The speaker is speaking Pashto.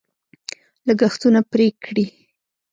لګښتونه پرې کړي.